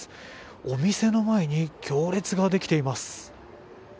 お店の前に行列ができています。